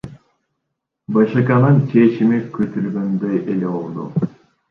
БШКнын чечими күтүлгөндөй эле болду.